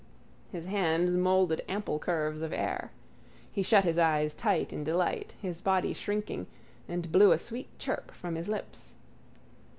His hands moulded ample curves of air. He shut his eyes tight in delight, his body shrinking, and blew a sweet chirp from his lips.